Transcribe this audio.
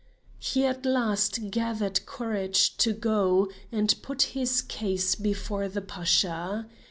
He at last gathered courage to go and put his case before the Pasha.